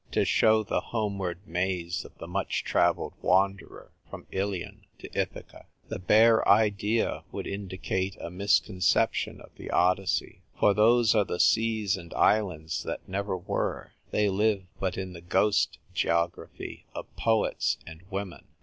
1 3 to show the homeward maze of the much travelled wanderer from Ilion to Ithaca ! The bare idea would indicate a misconception of the Odyssey. For those are the seas and islands that never were ; they live but in the ghost geography of poets and women.